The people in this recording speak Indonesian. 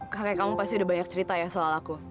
kakek kamu pasti udah banyak cerita ya soal aku